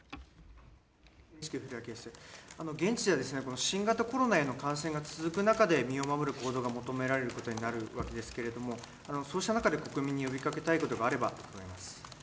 現地は新型コロナへの感染が続く中での身を守る行動が求められることになりますがそうした中で国民に呼びかけたいことがあれば。